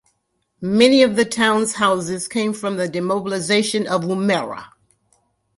Many of the town's houses came from the demobilisation of Woomera.